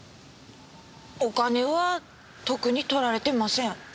お金は特に取られてません。